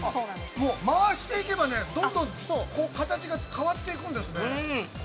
回していけばどんどん形が変わっていくんですね。